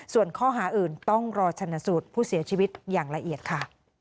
ส่วนข้อหาอื่นต้องรอชนสูตรผู้เสียชีวิตอย่างละเอียดค่ะ